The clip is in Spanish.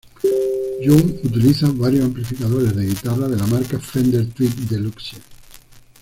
Young utiliza varios amplificadores de guitarra de la marca Fender Tweed Deluxe.